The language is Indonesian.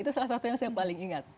itu salah satu yang paling saya ingat